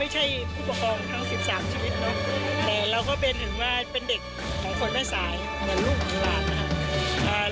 แต่เราก็เป็นถึงว่าเป็นเด็กของคนไม่สายเหมือนลูกของบ้านนะครับ